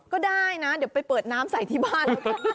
ก็ได้นะเดี๋ยวไปเปิดน้ำใส่ที่บ้าน